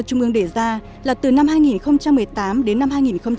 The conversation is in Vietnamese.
trung ương đề ra là từ năm hai nghìn một mươi tám đến năm